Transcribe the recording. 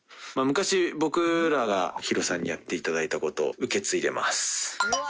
昔、僕らがＨＩＲＯさんにやっていただいたことを受け継いでます。